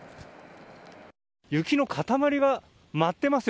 雪の塊が舞っていますよ